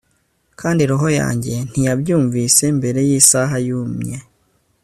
kandi roho yanjye ntiyabyumvise mbere yisaha yumye